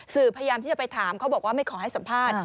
พยายามที่จะไปถามเขาบอกว่าไม่ขอให้สัมภาษณ์